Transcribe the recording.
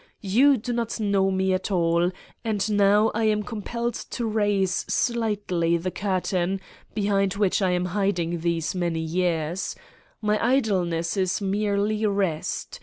You do not know me at all and now I am compelled to raise slightly the curtain behind which I am hiding these many years : my idleness is merely rest.